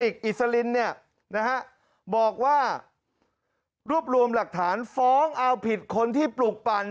กะติกอิสลินบอกว่ารวบรวมหลักฐานฟ้องเอาผิดคนที่ปลูกปั่น